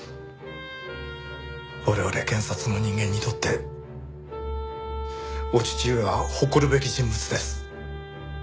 我々検察の人間にとってお父上は誇るべき人物です。